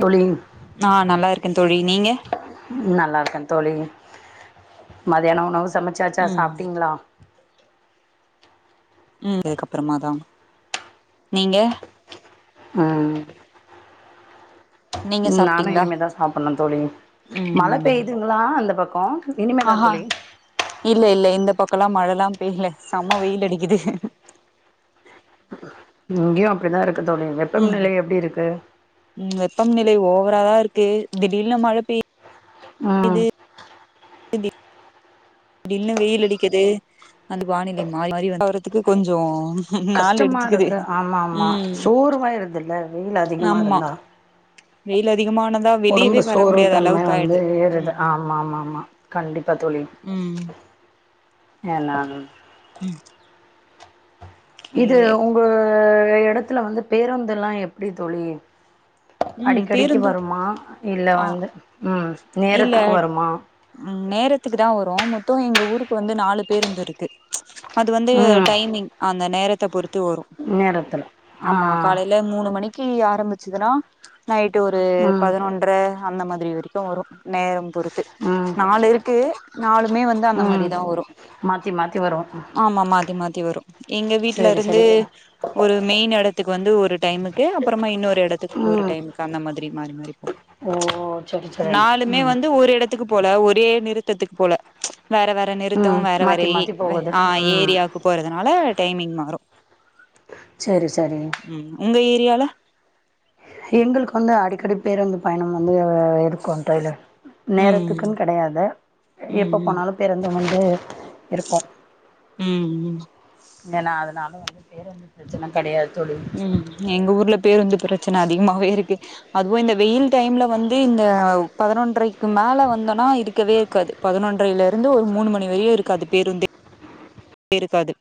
polling நா நல்லா இருக்கேன் தோழி நீங்க க்கந் தோழி மத்தியானோ உணவுஸ் சமச்சாச்சா ம் சாப்டீங்களா ம் இதுக்கப்பறமாதாமா நீங்க அ நீங்க நானு சாப்ட்டீங்களா இனிமேதா சாப்புன்னும் தோழி மழ ம் பெய்துங்களா அந்த பக் கவுண்ட் ஆஹா இல்ல இல்ல இந்தப் பக்கல்ல மழையல்லாம் பெய்யல சம்ம வெயில் அடிக்குது இங்கியு அப்டிதா இருக்கு தோழி ம் வெப்பம்நிலை எப்டி இருக்கு இல்லே ஓவராதா இருக்கு திடீர்னு மழைப் பெய் ம் இப்பிடின் வெயில் அடிக்குது அந்த வானிலை மாரி மாரி வறதுக்கு கொஞ்சோ நாள் கஷ்டமா எடுத்துக்குது இருக்கு ஆமா ஆமா ம் சோர்வாயிதுல்ல வெயில் அதிகமா ஆமா இருந்தா வெயில் அதிகமான ஒடம்பு சோர்வு தன்மை வந்து வருது ம் ஆமா ஆமா ஆமா கண்டிப்பா தோழி ம் என்னான் உம் இது உங்க து எடத்துல வந்து பேருந்துெல்லா எப்பிடி தோழி ம் அடிக்கடிக்கு பேருந்து வருமா இல்ல ஆ வந்து ம் இல்ல நேரத்துக்கு வருமா நேரத்துக்குதா போறோ மொத்தோ எங்க ஊருக்கு வந்து நாலு பேருந்து இருக்கு அது வந்து ம் டைமிங் அந்த நேரத்த பொறுத் த்து வரு நேரத்தில் ஆ ஆமா காலையில மூனு மணி கி ஆரம்பிச்சுதுன்னா த்தாய்ட்டு ஒரு ம் பதினொன்ற அந்த மாதிரி வரைக்கு வரு நேரம் பொறுத்து ம் நாலு இருக்கு நளுமே வந்து அந்த ம் மாரிதா வரும் மாற்றி மாற்றி வரும் ஆமா மாத்தி மாத்தி தி வரு எங்க வீட்ல சரி இருந்து சரி ஒரு மெயின் எடத்துக் வந்து ஒரு டைமுக்கு அப்புறமா இன்னொரு ட்ட எடத்துக்கு ஒரு ம் டைமுக்கு அந்த மாதிரி மாரி மாரி ஓ சரி சரிம் மே வந்து ஒரு எடத்துக்கு போல ஒரு ப்பிடியே நிறுத்தத்துக்கு போல வேற வேற நிறுத்தோ ம் வேற வேற மாற்றி மாற்றி ஏழை போகுது ஆ ம் ஏரியாவுக்கு போறதுனால டைமிங் மாறு சரி சரி ம் உங்க ஏரியால எங்களுக்கு அங்க அடிக்கடி பேருந்து பயணம் வந்து இருக்கும் தோழி ம் நேரத்துக்குன் கெடையாத ம் எப்ப ம் போனாலு பேருந்து முன் ம் ம் அதனால நானு வந்து பேருந்து பிரச்சன கெடையாது ம் எங்க ஊர்ல பேருந்து பிரச் பிரச்சன அதிகமாவே இருக்கு அதுவு இந்த வெயில் டைம்ல வந்து இந்த பதுனொன்றை க்கு மேல வந்தோன்னா இருக்கவே இருக்காது பதுனொன்றைல இருந்து ஒரு மூணு மணி வரையு இருக்காது பேருந்தே பே இருக்காது